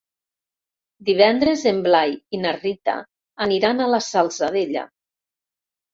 Divendres en Blai i na Rita aniran a la Salzadella.